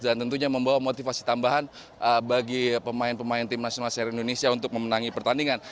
tentunya membawa motivasi tambahan bagi pemain pemain tim nasional seri indonesia untuk memenangi pertandingan